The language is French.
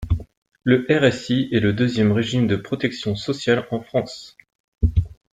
Le RSI est le deuxième régime de protection sociale en France.